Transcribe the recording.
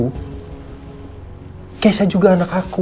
hai kece juga anak aku